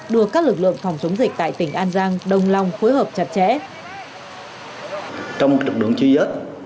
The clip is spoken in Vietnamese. đưa các lực lượng phòng chống dịch tại tỉnh an giang đồng long phối hợp chặt chẽ